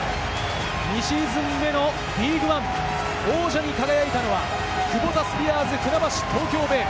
２シーズン目のリーグワン、王者に輝いたのはクボタスピアーズ船橋・東京ベイ。